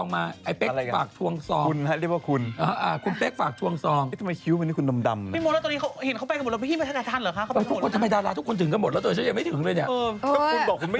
แต่งตัวไปกับเธออีกก็ทุกวันนะ